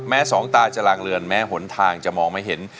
สองตาจะลางเรือนแม้หนทางจะมองไม่เห็น